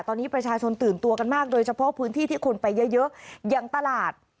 ตอนนี้ประชาชนตื่นตัวกันมากโดยเฉพาะพื้นที่ที่คนไปเยอะอย่างตลาด